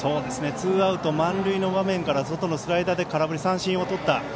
ツーアウト満塁の場面から外のスライダーで空振り三振をとった。